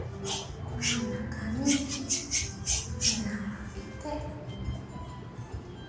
真ん中に穴を開けて。